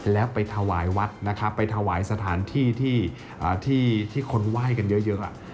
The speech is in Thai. แล้วไปถวายวัดนะครับไปถวายสถานที่ที่คนไหว้กันเยอะ